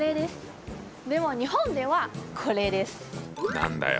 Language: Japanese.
何だよ？